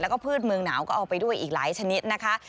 แล้วก็พืชเมืองหนาวก็เอาไปด้วยอีกหลายชนิดนะคะ